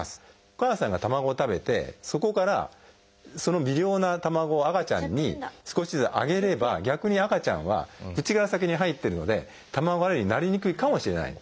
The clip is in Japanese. お母さんが卵を食べてそこからその微量な卵を赤ちゃんに少しずつあげれば逆に赤ちゃんは口から先に入ってるので卵アレルギーになりにくいかもしれない。